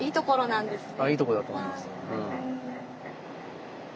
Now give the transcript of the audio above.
いいとこだと思います。